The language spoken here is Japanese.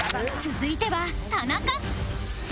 続いては田中